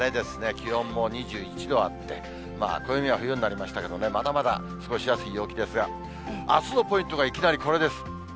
気温も２１度あって、暦は冬になりましたけれどもね、まだまだ過ごしやすい陽気ですが、あすのポイントがいきなりこれです。